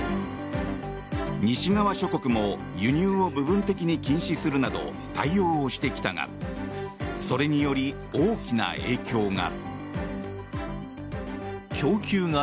西側諸国も輸入を部分的に禁止にするなど対応をしてきたがそれにより大きな影響が。